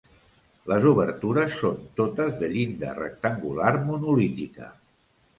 Les obertures són totes de llinda rectangular monolítica.